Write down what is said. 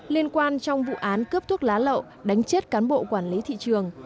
liên quan trong vụ án cướp thuốc lá lậu đánh chết cán bộ quản lý thị trường